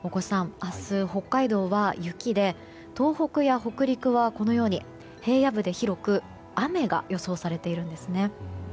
明日、北海道は雪で東北や北陸は平野部で、広く雨が予想されているんですね。